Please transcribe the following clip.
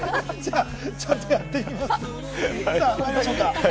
ちゃんとやってみます。